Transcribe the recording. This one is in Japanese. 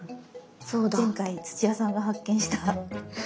前回土屋さんが発見した。